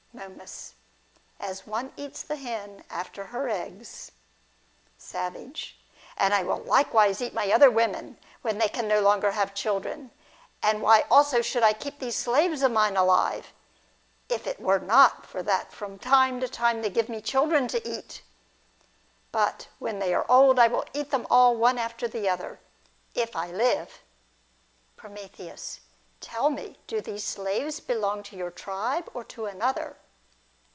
Momiis. As one eats the hen after her eggs. Savage. And I will likewise eat my other women, when they can no longer have children. And why also should I keep these slaves of mine alive, if it were not that from time to time they give me children to eat ? But when they are old, I will eat them all one after the other, if I live.' Prom. Tell me, do these slaves belong to your tribe or to another